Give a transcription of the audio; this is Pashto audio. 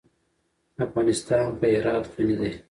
افغانستان په هرات غني دی.